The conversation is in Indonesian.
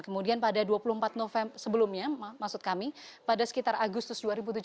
kemudian pada dua puluh empat november sebelumnya maksud kami pada sekitar agustus dua ribu tujuh belas